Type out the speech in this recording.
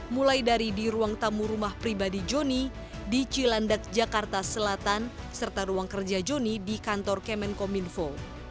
mulai dari di ruang tamu rumah pribadi joni di cilandak jakarta selatan serta ruang kerja joni di kantor kemenkominfo